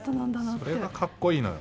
それがかっこいいのよ。